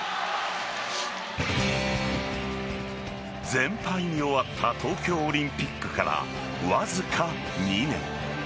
全敗に終わった東京オリンピックからわずか２年。